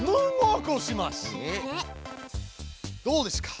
どうですか？